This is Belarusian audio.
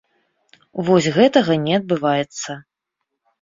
Вось гэтага не адбываецца.